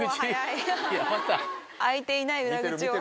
開いていない裏口を。